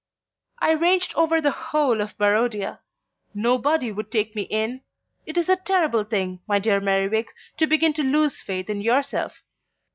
"I ranged over the whole of Barodia. Nobody would take me in. It is a terrible thing, my dear Merriwig, to begin to lose faith in yourself.